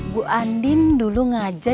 bu andin dulu ngajak